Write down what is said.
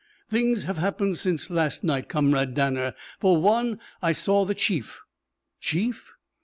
"Things have happened since last night, Comrade Danner. For one, I saw the chief." "Chief?"